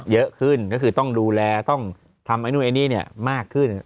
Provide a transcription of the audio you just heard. เยอะขึ้นก็คือต้องดูแลต้องทำอะไรนี้มากขึ้น